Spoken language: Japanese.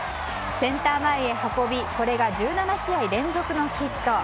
センター前へ運びこれが１７試合連続のヒット。